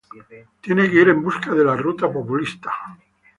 Tienes que ir en busca de la ruta populista.